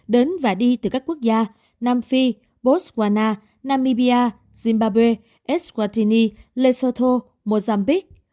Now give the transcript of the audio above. đến và đi từ các quốc gia nam phi botswana namibia zimbabwe eswatini lesotho mozambique